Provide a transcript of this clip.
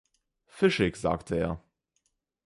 „Fischig“, sagte er.